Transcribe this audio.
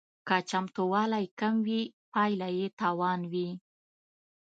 که چمتووالی کم وي پایله یې تاوان وي